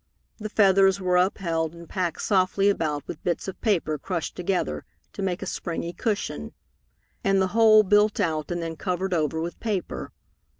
The feathers were upheld and packed softly about with bits of paper crushed together to make a springy cushion, and the whole built out and then covered over with paper.